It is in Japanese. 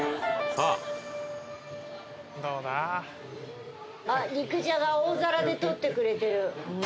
あっ肉じゃが大皿で取ってくれてる！